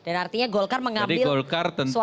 dan artinya golkar mengambil suara masyarakat itu pak